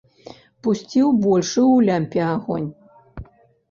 Пусціў большы ў лямпе агонь.